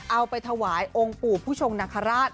เอาไปถวายองค์ปู่ผู้ชงนคราช